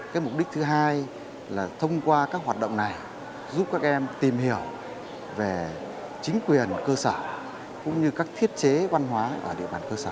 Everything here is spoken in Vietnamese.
cái mục đích thứ hai là thông qua các hoạt động này giúp các em tìm hiểu về chính quyền ở cơ sở cũng như các thiết chế văn hóa ở địa bàn cơ sở